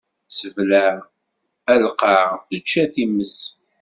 Ssebleɛ a lqaɛa, ečč a times!